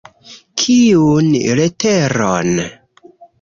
Kiun leteron?